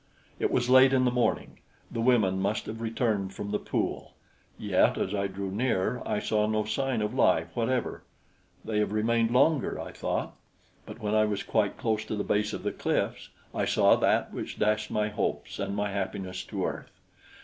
It was late in the morning. The women must have returned from the pool; yet as I drew near, I saw no sign of life whatever. "They have remained longer," I thought; but when I was quite close to the base of the cliffs, I saw that which dashed my hopes and my happiness to earth.